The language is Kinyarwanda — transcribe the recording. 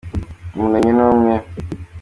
umuremyi ni umwe.